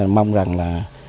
mong rằng là